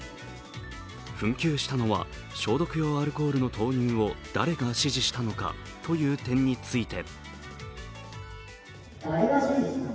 紛糾したのは、消毒用アルコールの投入を誰が指示したのかという点について。